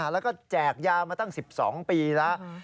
แล้วก็แจกยามาตั้ง๑๒ปีแล้ว